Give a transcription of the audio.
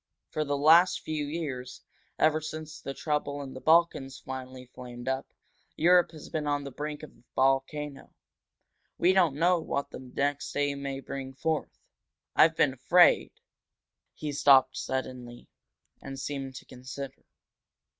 For the last few years ever since the trouble in the Balkans finally flamed up Europe has been on the brink of a volcano. We don't know what the next day may bring forth. I've been afraid " He stopped, suddenly, and seemed to consider.